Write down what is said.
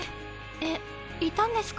えっいたんですか？